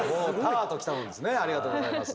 ありがとうございます。